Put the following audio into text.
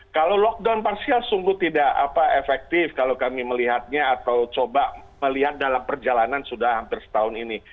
kalau lockdown parsial sungguh tidak efektif kalau kami melihatnya atau coba melihat dalam perjalanan sudah hampir setahun ini